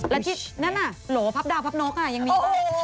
แล้วที่นั่นน่ะหรอพับดาวน์พับน็อกน่ะยังมี